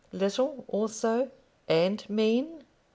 little also, and mean?